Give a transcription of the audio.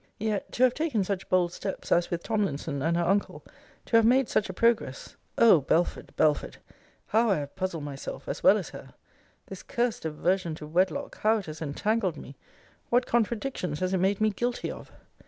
Yet, to have taken such bold steps, as with Tomlinson and her uncle to have made such a progress O Belford, Belford, how I have puzzled myself, as well as her! This cursed aversion to wedlock how it has entangled me! What contradictions has it made me guilty of!